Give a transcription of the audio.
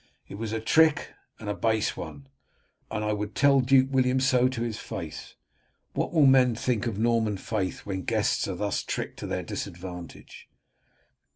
It was a trick and a base one, and I would tell Duke William so to his face. What will men think of Norman faith when guests are thus tricked to their disadvantage?"